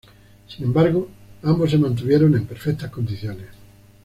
Sin embargo, ambos se mantuvieron en perfectas condiciones.